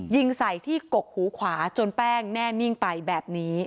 ยิงใส่ที่กกหูขวาจนแป้งแน่นิ่งไปแบบนี้